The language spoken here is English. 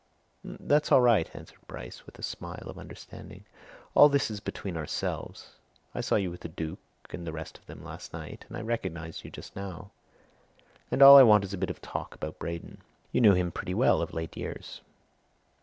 "That's all right," answered Bryce with a smile of understanding. "All this is between ourselves. I saw you with the Duke and the rest of them last night, and I recognized you just now. And all I want is a bit of talk about Braden. You knew him pretty well of late years?"